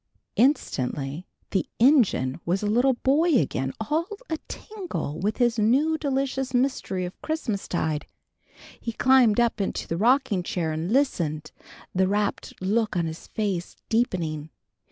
_" Instantly the engine was a little boy again all a tingle with this new delicious mystery of Christmastide. He climbed up into the rocking chair and listened, the rapt look on his face deepening.